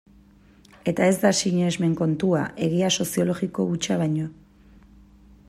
Eta ez da sinesmen kontua, egia soziologiko hutsa baino.